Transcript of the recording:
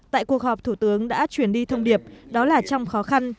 tại cuộc họp thủ tướng đã chuyển đi thông điệp đó là trong khó khăn